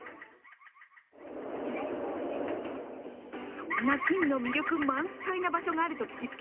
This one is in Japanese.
そんな金の魅力満載な場所があると聞きつけ